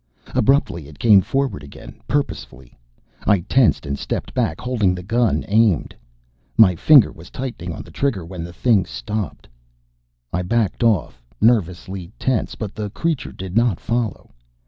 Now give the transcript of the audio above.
Abruptly it came forward again purposefully. I tensed and stepped back, holding the gun aimed. My finger was tightening on the trigger when the Thing stopped. I backed off, nervously tense, but the creature did not follow.